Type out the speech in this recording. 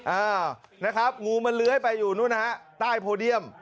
เออนะครับงูมันเลื้อยไปอยู่นู่นฮะใต้โพเดียม